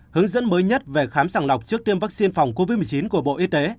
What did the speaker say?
hướng dẫn mới nhất về khám sàng lọc trước tiêm vaccine phòng covid một mươi chín của bộ y tế